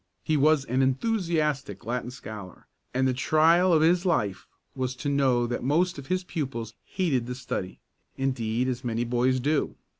He was an enthusiastic Latin scholar, and the trial of his life was to know that most of his pupils hated the study indeed as many boys do.